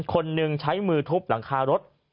คนหนึ่งใช้มือทุบหลังคารถ